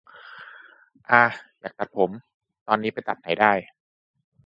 อา อยากตัดผม ตอนนี้ไปตัดไหนได้